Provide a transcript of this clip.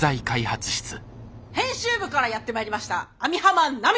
編集部からやって参りました網浜奈美です。